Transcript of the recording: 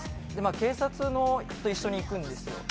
でまあ警察と一緒に行くんですよ